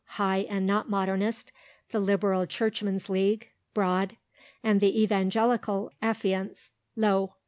(High and not Modernist), the Liberal Churchmen's League (Broad), and the Evangelical Affiance (Low).